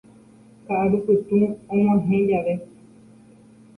Ka'arupytũ og̃uahẽ jave